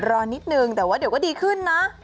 รอนิดนึงแต่ว่าเดี๋ยวก็ดีขึ้นนะ